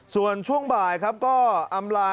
ส่วนช่วงบ่ายครับก็อำลา